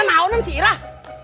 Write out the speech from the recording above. gak ada si irah